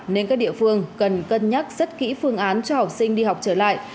nên các địa phương cần cân nhắc rất kỹ phương án cho học sinh đi học trở lại